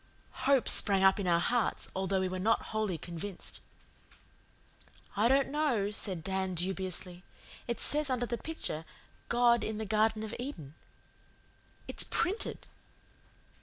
Hope sprang up in our hearts, although we were not wholly convinced. "I don't know," said Dan dubiously. "It says under the picture 'God in the Garden of Eden.' It's PRINTED."